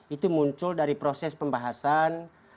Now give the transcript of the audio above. itu muncul dari proses pembahasan